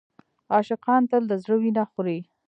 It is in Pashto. عاشقان تل د زړه وینه خوري.